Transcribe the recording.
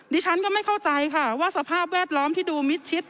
ดิฉันก็ไม่เข้าใจค่ะว่าสภาพแวดล้อมที่ดูมิดชิด